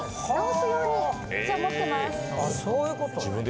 そういうことね。